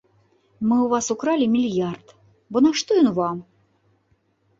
Мы ў вас укралі мільярд, бо нашто ён вам?